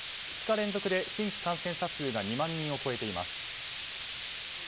２日連続で新規感染者数が２万人を超えています。